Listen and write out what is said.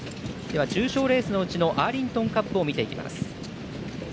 重賞レースのうちのアーリントンカップを見ていきます。